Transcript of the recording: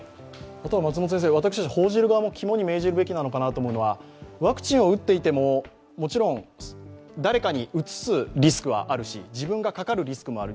私たち、報じる側も肝に銘じるべきなのかと思うのはワクチンを打っていても誰にうつすリスクはあるし、自分がかかるリスクもある。